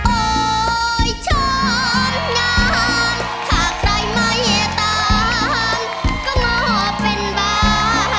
โอ้ยชอบงานถ้าใครไม่ตามก็งบเป็นบ้า